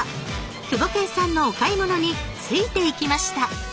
クボケンさんのお買い物についていきました。